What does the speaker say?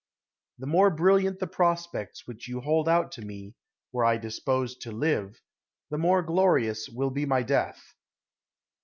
The more brilliant the prospects which you hold out to me, were I disposed to live, the more glorious will be my death.